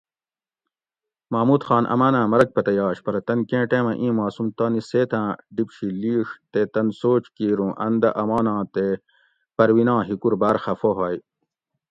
محمود خان اماناۤں مرگ پتہ یاش پرہ تن کیں ٹیمہ ایں معصوم تانی سیتاۤں ڈِیب شی لِیڛ تے تن سوچ کیر اُوں ان دہ اماناں تے پرویناں ہِکور باۤر خفہ ہوئے